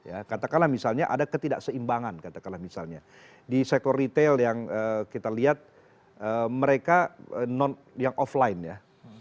ya katakanlah misalnya ada ketidakseimbangan katakanlah misalnya di sektor retail yang kita lihat mereka yang offline ya